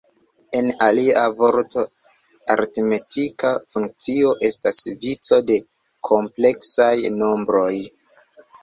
En alia vortoj, aritmetika funkcio estas vico de kompleksaj nombroj.